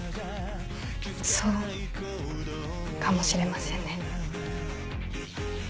そうかもしれませんね。